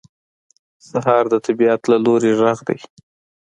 سهار د طبیعت له لوري غږ دی.